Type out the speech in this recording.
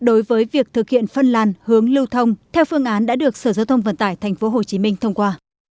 đối với việc thực hiện phân làn hướng lưu thông theo phương án đã được sở giao thông vận tải tp hcm thông qua